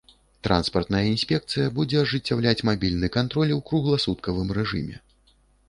Транспартная інспекцыя будзе ажыццяўляць мабільны кантроль у кругласуткавым рэжыме.